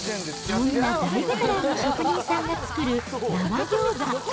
そんな大ベテランの職人さんが作る生ギョーザ。